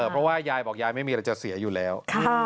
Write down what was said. เพราะว่ายายบอกยายไม่มีอะไรจะเสียอยู่แล้ว